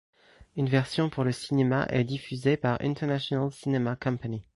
Une version pour le cinéma est diffusée par International Cinema Company.